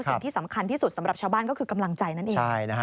สิ่งที่สำคัญที่สุดสำหรับชาวบ้านก็คือกำลังใจนั่นเอง